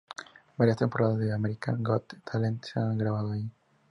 Varias temporadas de America's Got Talent se han grabado allí.